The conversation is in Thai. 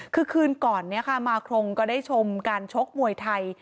คือคืนก่อนนี้ค่ะมาครงก็ได้ชมการชกมวยไทย